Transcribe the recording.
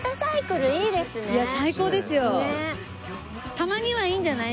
たまにはいいんじゃない？